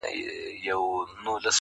بهېږي مي رګ رګ کي ستا شراب شراب خیالونه,